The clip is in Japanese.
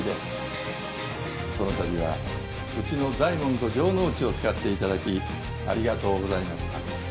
この度はうちの大門と城之内を使って頂きありがとうございました。